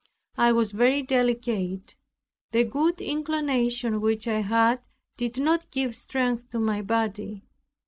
I was very delicate, the good inclination which I had did not give strength to my body.